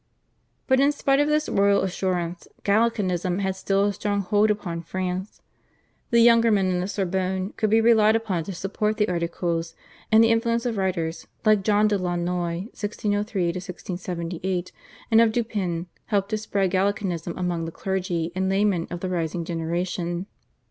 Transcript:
But in spite of this royal assurance, Gallicanism had still a strong hold upon France. The younger men in the Sorbonne could be relied upon to support the Articles, and the influence of writers like John de Launoy (1603 1678) and of Dupin helped to spread Gallicanism among the clergy and laymen of the rising generation.